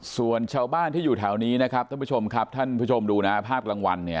ส่วนชาวบ้านที่อยู่แถวนี้นะครับท่านผู้ชมครับท่านผู้ชมดูนะภาพกลางวันเนี่ย